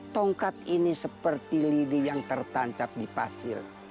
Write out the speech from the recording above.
tongkat ini seperti lidi yang tertancap di pasir